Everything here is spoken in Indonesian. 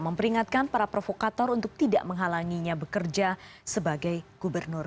memperingatkan para provokator untuk tidak menghalanginya bekerja sebagai gubernur